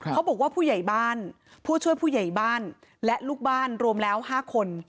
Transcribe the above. เขาบอกว่าผู้ใหญ่บ้านผู้ช่วยผู้ใหญ่บ้านและลูกบ้านรวมแล้ว๕คน